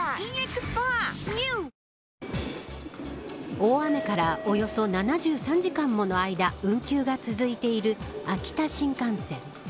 大雨からおよそ７３時間もの間運休が続いている秋田新幹線。